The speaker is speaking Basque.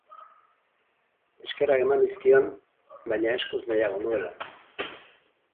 Eskerrak eman nizkion, baina eskuz nahiago nuela.